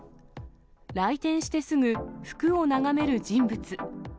来店してすぐ、服を眺める人物。